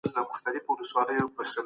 څه ډول اسناد د هویت ښودنه کوي؟